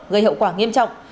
gây hậu quả nghiêm trọng